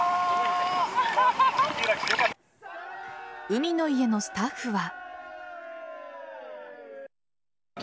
海の家のスタッフは。